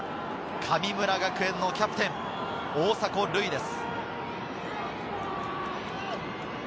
神村学園のキャプテン・大迫塁です。